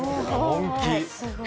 本気。